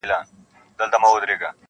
• او له مځکي خړ ګردونه بادېدله -